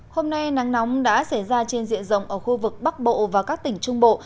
hôm nay nắng nóng đã xảy ra trên diện rộng ở khu vực bắc bộ và các tỉnh trung bộ